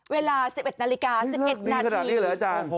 เวลา๑๑นาฬิกา๑๑นาทีขนาดนี้เหรออาจารย์